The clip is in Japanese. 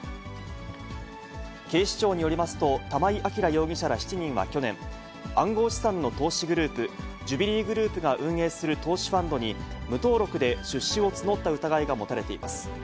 警視庁によりますと、玉井暁容疑者ら７人は去年、暗号資産の投資グループ、ジュビリーグループが運営する投資ファンドに、無登録で出資を募った疑いが持たれています。